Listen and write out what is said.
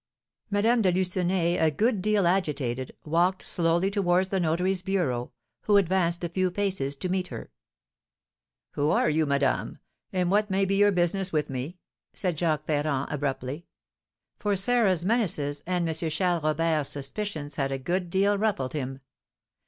Madame de Lucenay, a good deal agitated, walked slowly towards the notary's bureau, who advanced a few paces to meet her. "Who are you, madame; and what may be your business with me?" said Jacques Ferrand, abruptly; for Sarah's menaces and M. Charles Robert's suspicions had a good deal ruffled him.